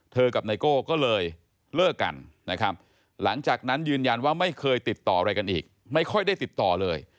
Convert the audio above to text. กับไนโก้ก็เลยเลิกกันนะครับหลังจากนั้นยืนยันว่าไม่เคยติดต่ออะไรกันอีกไม่ค่อยได้ติดต่อเลย